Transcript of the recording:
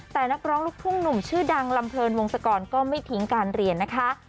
แต่นักร้องลูกทุ่งหนุ่มชื่อดังลำเพลินวงศกรก็ไม่ทิ้งการเรียนนะคะ